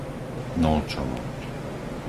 Nolčovo